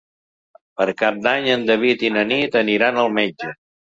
Per Cap d'Any en David i na Nit aniran al metge.